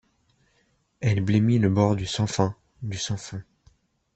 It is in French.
Elle blêmit le bord du sans fin, du sans fond